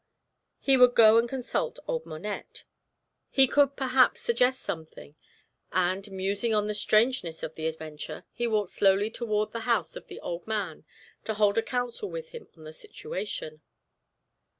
He would go and consult old Monette he could, perhaps, suggest something; and, musing on the strangeness of the adventure, he walked slowly toward the house of the old man to hold a council with him on the situation.